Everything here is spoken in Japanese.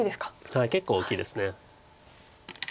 はい結構大きいです。